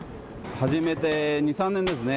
初めて２、３年ですね。